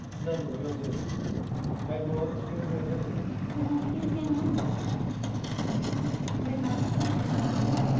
その事件性の有無をこれから科捜研で鑑定します。